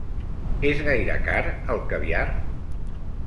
És gaire car el caviar?